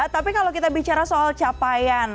tapi kalau kita bicara soal capaian